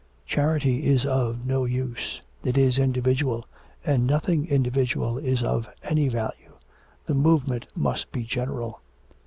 Charity is of no use; it is individual, and nothing individual is of any value; the movement must be general.'